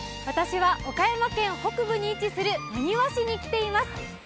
私は岡山県北部に位置する真庭市に来ています。